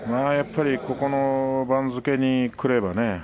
やっぱりここの番付にくればね